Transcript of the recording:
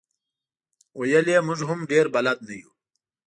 ویل یې موږ هم ډېر بلد نه یو.